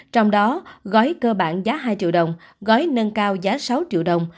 trong đó gói cơ bản giá hai triệu đồng gói nâng cao giá sáu triệu đồng